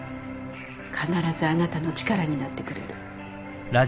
必ずあなたの力になってくれる。